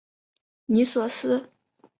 尼索斯。